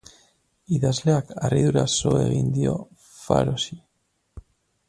Idazleak harriduraz so egin dio Pharosi.